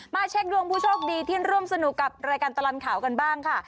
เช็คดวงผู้โชคดีที่ร่วมสนุกกับรายการตลอดข่าวกันบ้างค่ะ